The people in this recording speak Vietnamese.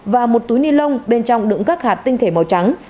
và một túi ni lông bên trong đựng các hạt tinh thể màu trắng